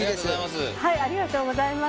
ありがとうございます。